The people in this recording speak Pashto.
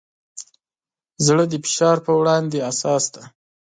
زړه د فشار پر وړاندې حساس دی.